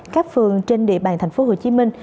các phường trên địa bàn thành phố hồ chí minh